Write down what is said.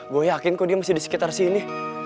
gue yakin kok dia masih di sekitar sini